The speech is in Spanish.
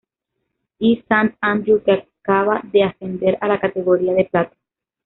E. Sant Andreu, que acababa de ascender a la categoría de plata.